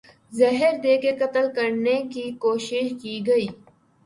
زہر دے کر قتل کرنے کی کوشش کی گئی